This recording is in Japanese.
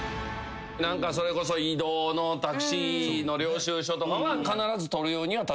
それこそ移動のタクシーの領収書とかは必ず取るようには立木さんしてて。